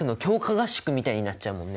合宿みたいになっちゃうもんね！